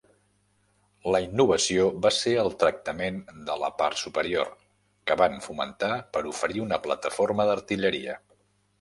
La innovació va ser el tractament de la part superior, que van fomentar per oferir una plataforma d'artilleria.